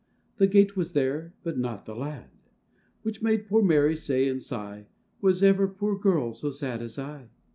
— The gate was there, but not the lad, Which made poor Mary say and sigh, 'Was ever poor girl so sad as I?